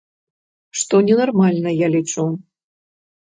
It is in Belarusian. Што ненармальна, я лічу.